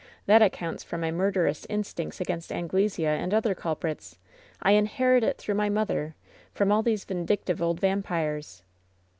"That accounts for my murderous instincts against An glesea and other culprits. I inherit it through my mother — ^from all these vindictive old vampires."